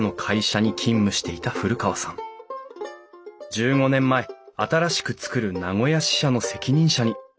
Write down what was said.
１５年前新しく作る名古屋支社の責任者に。